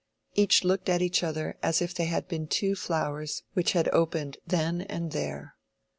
Each looked at the other as if they had been two flowers which had opened then and there.